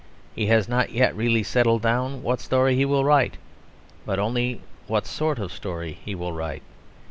He has not yet really settled what story he will write, but only what sort of story he will write.